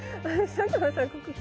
佐久間さん